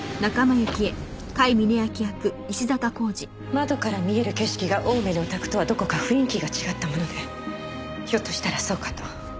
窓から見える景色が青梅のお宅とはどこか雰囲気が違ったものでひょっとしたらそうかと。